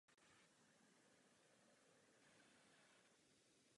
V novějších dílech pořadu se zabývá také zahraničními stavbami a projekty.